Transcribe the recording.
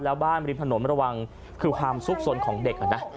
แล้วบ้านบริมถนนระวังคือความสุขสนของเด็กนะ